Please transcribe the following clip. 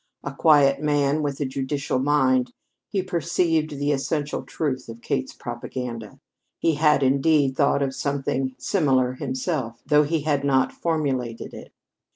A quiet man, with a judicial mind, he perceived the essential truth of Kate's propaganda. He had, indeed, thought of something similar himself, though he had not formulated it.